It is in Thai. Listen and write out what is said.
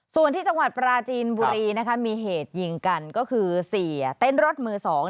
ส่วนที่จังหวัดปราจีนบุรีนะคะมีเหตุยิงกันก็คือเสียเต้นรถมือสอง